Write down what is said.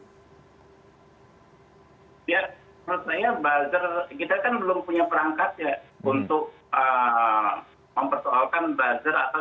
ya menurut saya buzzer kita kan belum punya perangkat ya untuk mempersoalkan buzzer atau